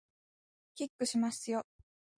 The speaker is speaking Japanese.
キックしますよ